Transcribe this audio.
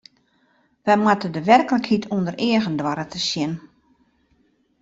Wy moatte de werklikheid ûnder eagen doare te sjen.